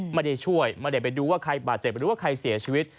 ไม่ได้ช่วยไม่ได้ไปดูว่าใครบาดเจ็บหรือว่าใครเสียชีวิต